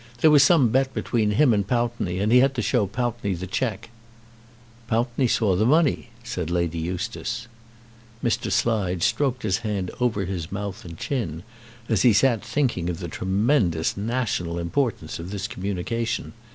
There was some bet between him and Pountney, and he had to show Pountney the cheque." "Pountney saw the money," said Lady Eustace. Mr. Slide stroked his hand over his mouth and chin as he sat thinking of the tremendous national importance of this communication.